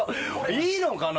いいのかな？